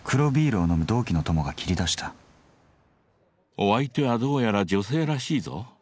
お相手はどうやら女性らしいぞ。